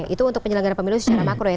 itu untuk penyelenggara pemilu secara makro ya